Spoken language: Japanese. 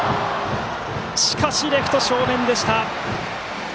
しかし、レフトの正面でした。